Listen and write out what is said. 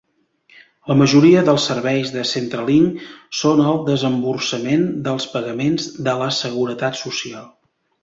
La majoria dels serveis de Centrelink són el desemborsament dels pagaments de la seguretat social.